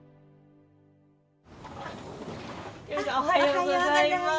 おはようございます。